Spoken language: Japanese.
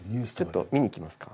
ちょっと見に行きますか？